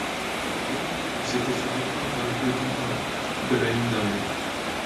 La veille, il s´était fait reprendre par le peloton a de la ligne d´arrivée.